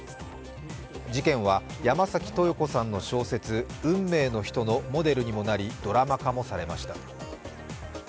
事件は、山崎豊子さんの小説「運命の人」のモデルにもなり、ドラマ化もされました。